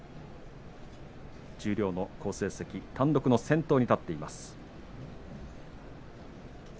十両の好成績、単独の先頭に立っています。